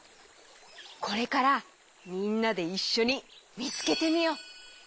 これからみんなでいっしょにみつけてみよう！